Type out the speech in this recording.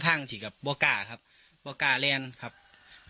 เบื้องต้นข้อหาคือบุกรุกเคหะสดหาในเวลากลางคืน